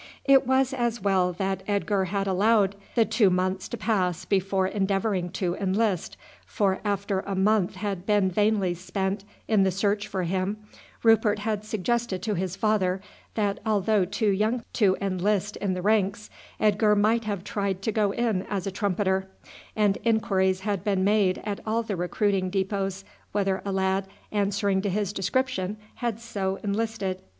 It was as well that Edgar had allowed the two months to pass before endeavouring to enlist, for after a month had been vainly spent in the search for him, Rupert had suggested to his father that although too young to enlist in the ranks Edgar might have tried to go in as a trumpeter, and inquiries had been made at all the recruiting depôts whether a lad answering to his description had so enlisted.